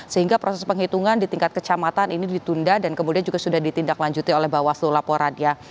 sehingga proses penghitungan di tingkat kecamatan ini ditunda dan kemudian juga sudah ditindaklanjuti oleh bawaslu laporan ya